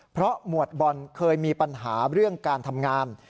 เพราะหมวดบอลเคยมีปัญหาเรื่องการทำงาน